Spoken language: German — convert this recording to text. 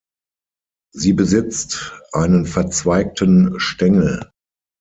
Sie besitzt einen verzweigten Stängel.